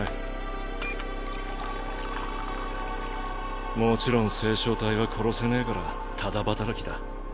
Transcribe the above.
ピッもちろん星漿体は殺せねぇからタダ働きだ。